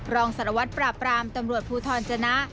รองสารวัตรปราบรามตำรวจภูทรจนะ